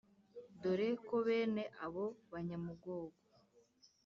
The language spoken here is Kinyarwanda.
Dore ko bene abo Banyamugogo